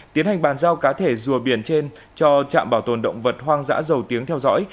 tiến hành bàn giao cá thể rùa biển trên cho trạm bảo tồn động vật hoang dã dầu tiếng theo dõi